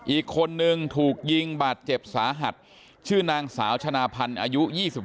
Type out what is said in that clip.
อีกคนนึงถูกยิงบาดเจ็บสาหัสชื่อนางสาวชนะพันธ์อายุ๒๓